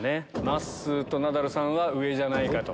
まっすーとナダルさんは上じゃないかと。